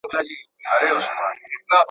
پوهېږمه په ځان د لېونو کانه راکېږي .